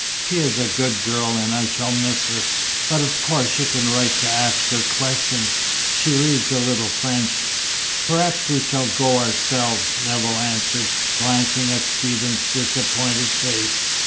She is a good girl, and I shall miss her. But of course you can write to ask her questions. She reads a little French." "Perhaps we shall go ourselves," Nevill answered, glancing at Stephen's disappointed face.